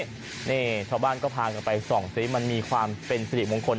ชาวบ้านก็พานไป๒ชีวิตมันมีความเป็นสิริมงคล